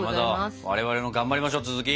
かまど我々も頑張りましょう続き。